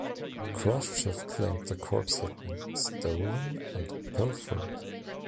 Khrushchev claimed the crops had been "stolen" and "pilfered".